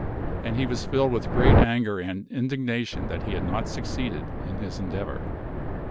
And he was filled with great anger and indigna tion that he had not succeeded in his endeavor.